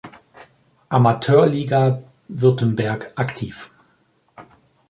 Amateurliga Württemberg aktiv.